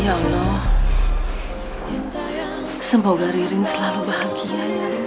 ya allah semoga ririn selalu bahagia ya